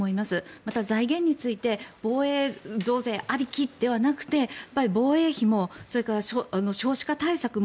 また、財源について防衛増税ありきではなくて防衛費もそれから少子化対策も